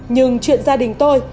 nhưng chuyện gia đình tôi